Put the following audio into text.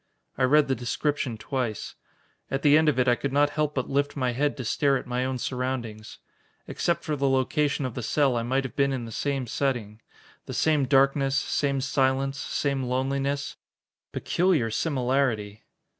I read the description twice. At the end of it I could not help but lift my head to stare at my own surroundings. Except for the location of the cell, I might have been in they same setting. The same darkness, same silence, same loneliness. Peculiar similarity!